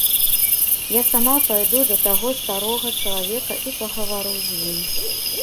Я сама пайду да таго старога чалавека і пагавару з ім.